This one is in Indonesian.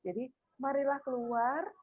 jadi marilah keluar